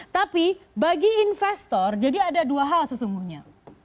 tapi bagi investor jadi ada dua hal sesungguhnya